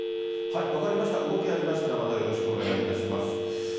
分かりました、動きがありましたらまたよろしくお願いいたします。